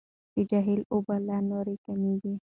د جهیل اوبه لا نورې کمیږي.